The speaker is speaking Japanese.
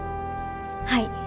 はい。